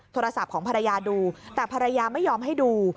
โทรศัพท์ของภรรยาดูแต่ภรรยาไม่ยอมให้ดู